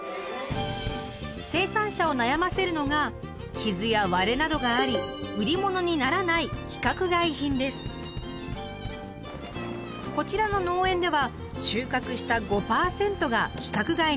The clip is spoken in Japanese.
生産者を悩ませるのが傷や割れなどがあり売り物にならないこちらの農園では収穫した５％が規格外になるといいます。